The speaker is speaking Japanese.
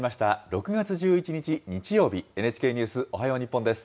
６月１１日日曜日、ＮＨＫニュースおはよう日本です。